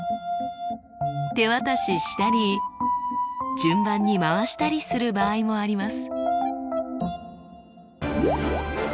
手渡ししたり順番に回したりする場合もあります。